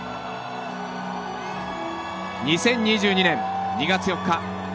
２０２２年２月４日